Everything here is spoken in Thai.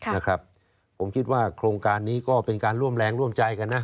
นะครับผมคิดว่าโครงการนี้ก็เป็นการร่วมแรงร่วมใจกันนะ